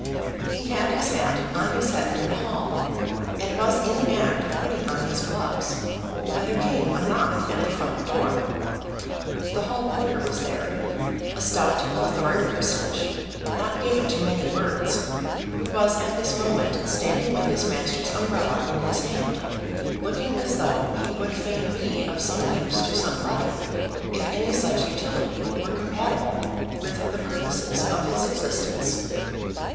He had his hat on his head in the hall, and was in the act of putting on his gloves, when there came a knock at the front door. The hall porter was there, a stout, plethoric personage, not given to many words, who was at this moment standing with his master's umbrella in his hand, looking as though he would fain be of some use to somebody, if any such utility were compatible with the purposes of his existence.